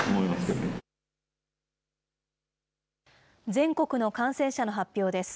全国の感染者の発表です。